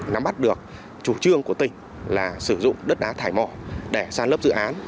nắm bắt được chủ trương của tỉnh là sử dụng đất đá thải mỏ để san lấp dự án